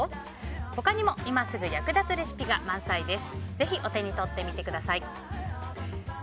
他にも今すぐ役立つレシピが満載です。